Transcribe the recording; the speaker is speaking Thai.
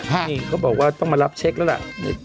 นี่เขาบอกว่าต้องมารับเช็คแล้วล่ะ